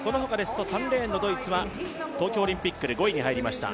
３レーンのドイツは東京オリンピックで５位に入りました。